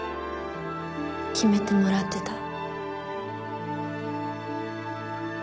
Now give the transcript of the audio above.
決めてもらってた？